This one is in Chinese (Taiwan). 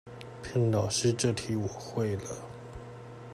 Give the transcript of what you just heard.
騙老師這題我會了